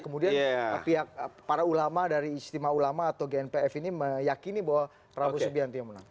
kemudian pihak para ulama dari istimewa ulama atau gnpf ini meyakini bahwa prabowo subianto yang menang